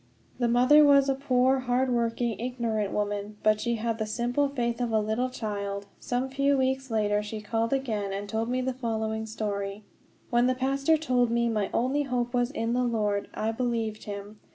The mother was a poor, hard working, ignorant woman, but she had the simple faith of a little child. Some few weeks later she called again, and told me the following story: "When the pastor told me my only hope was in the Lord, I believed him.